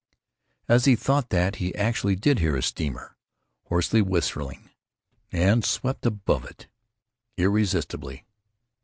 As he thought that, he actually did hear a steamer hoarsely whistling, and swept above it, irresistibly.